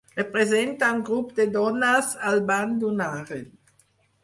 Representa un grup de dones al bany d'un harem.